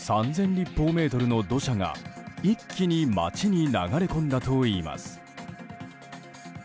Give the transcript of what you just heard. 立方メートルの土砂が一気に街に流れ込んだといいます。